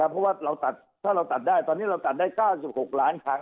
เพราะถ้าเราตัดได้ตอนนี้ตัดได้๙๖ล้านครั้ง